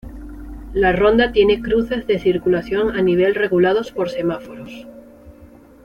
La ronda tiene cruces de circulación a nivel regulados por semáforos.